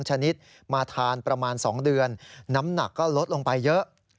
ชนิดมาทานประมาณ๒เดือนน้ำหนักก็ลดลงไปเยอะ